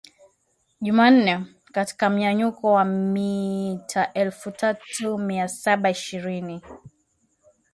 Jumanne katika mnyanyuko wa mita elfu tatu mia saba ishirini